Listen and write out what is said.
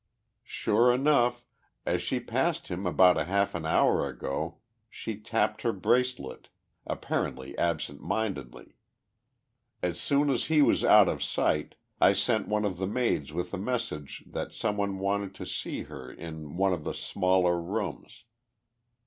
Sure enough, as she passed him about half an hour ago she tapped her bracelet, apparently absent mindedly. As soon as he was out of sight I sent one of the maids with a message that some one wanted to see her in one of the smaller rooms.